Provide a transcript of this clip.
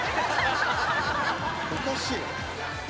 おかしいわ。